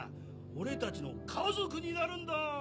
俺たちの家族になるんだ